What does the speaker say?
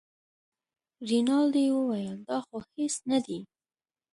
رینالډي وویل دا خو هېڅ نه دي.